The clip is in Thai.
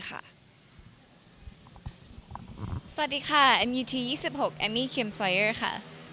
ค่ะสวัสดีค่ะเอ็มยูทียี่สิบหกเอมมีคิมซอยเยอร์ค่ะ